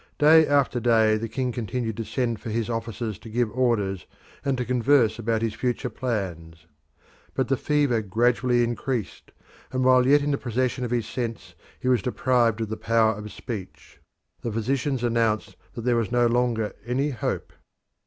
Day after day the king continued to send for his officers to give orders, and to converse about his future plans. But the fever gradually increased, and while yet in the possession of his sense he was deprived of the power of speech. The physicians announced that there was no longer any hope.